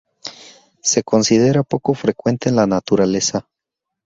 Se considera poco frecuente en la naturaleza.